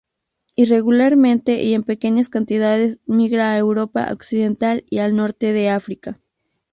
Irregularmente y en pequeñas cantidades migra a Europa occidental y al norte de África.